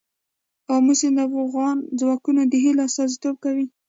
آمو سیند د افغان ځوانانو د هیلو استازیتوب کوي.